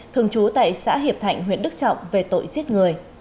thường trú tại xã hiệp thạnh huyện đức trọng về tội giết người